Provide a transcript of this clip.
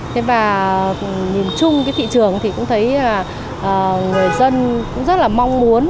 thế và nhìn chung cái thị trường thì cũng thấy là người dân cũng rất là mong muốn